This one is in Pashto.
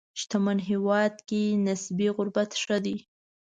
شتمن هېواد کې نسبي غربت ښه دی.